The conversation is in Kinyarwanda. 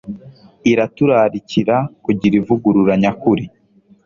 iraturarikira kugira ivugurura nyakuri